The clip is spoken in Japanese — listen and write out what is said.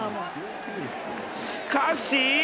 しかし。